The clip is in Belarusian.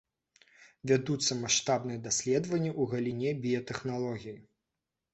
Вядуцца маштабныя даследаванні ў галіне біятэхналогій.